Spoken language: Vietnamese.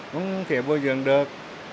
không thể bồi dưỡng được